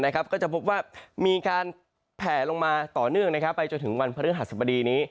ก็จะพบว่ามีการแผลลงมาต่อเนื่องไปจนถึงวันพฤหัสบดีนี้